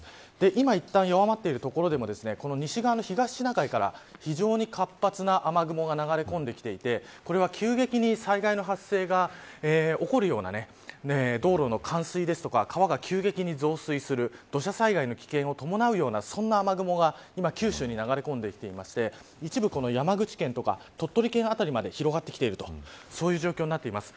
今、いったん弱まっている所でも西側、東シナ海から非常に活発な雨雲が流れ込んできていてこれは急激に災害の発生が起こるような道路の冠水ですとか川が急激に増水する土砂災害の危険を伴うようなそのような雨雲が今、九州に流れ込んできていて一部、山口県や鳥取県辺りまで広がってきているという状況になっています。